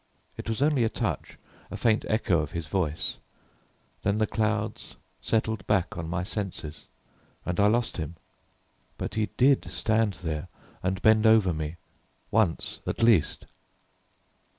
It was only a touch, a faint echo of his voice, then the clouds settled back on my senses, and I lost him, but he did stand there and bend over me once at least.